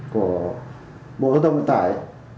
của bộ thông tài